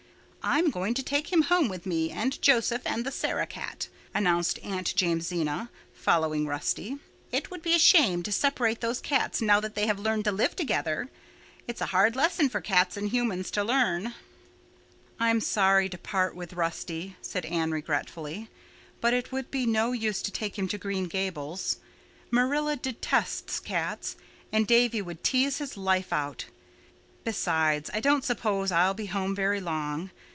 "I am going to take him home with me and Joseph and the Sarah cat," announced Aunt Jamesina, following Rusty. "It would be a shame to separate those cats now that they have learned to live together. It's a hard lesson for cats and humans to learn." "I'm sorry to part with Rusty," said Anne regretfully, "but it would be no use to take him to Green Gables. Marilla detests cats, and Davy would tease his life out. Besides, I don't suppose I'll be home very long.